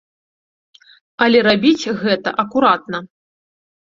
Але рабіць гэта акуратна.